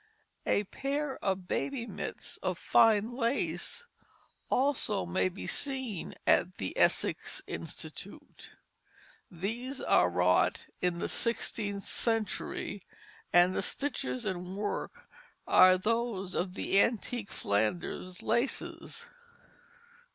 A pair of baby's mitts of fine lace also may be seen at the Essex Institute. These were wrought in the sixteenth century, and the stitches and work are those of the antique Flanders laces.